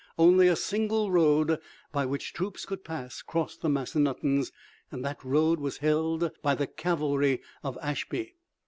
Only a single road by which troops could pass crossed the Massanuttons, and that road was held by the cavalry of Ashby.